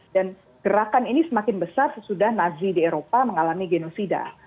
dan gerakan ini semakin besar sesudah nazi di eropa mengalami genosida